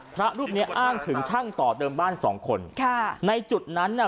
พระรูปเนี้ยอ้างถึงช่างต่อเดิมบ้านสองคนค่ะในจุดนั้นน่ะ